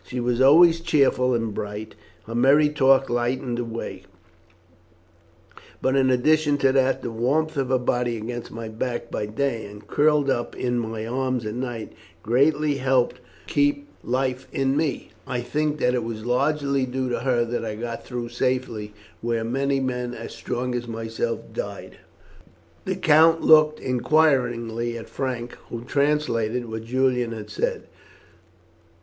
She was always cheerful and bright, and her merry talk lightened the way, but in addition to that the warmth of her body against my back by day and curled up in my arms at night, greatly helped to keep life in me. I think that it was largely due to her that I got through safely where many men as strong as myself died." The count looked inquiringly at Frank, who translated what Julian had said.